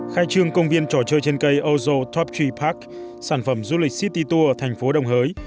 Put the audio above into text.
khai trương công viên trò chơi trên cây ozo top tree park sản phẩm du lịch city tour thành phố đồng hới